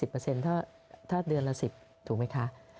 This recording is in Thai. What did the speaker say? ๑๒๐เปอร์เซ็นต์ถ้าเดือนละ๑๐ถูกไหมคะ